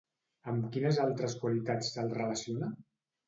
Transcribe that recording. Amb quines altres qualitats se'l relaciona?